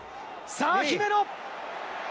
さあ、姫野！